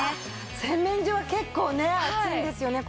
洗面所は結構ね暑いんですよねこもるから。